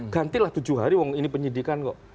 gantilah tujuh hari wong ini penyidikan kok